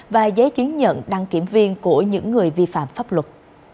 và giấy chứng nhận đăng kiểm viên của những người vi phạm pháp luật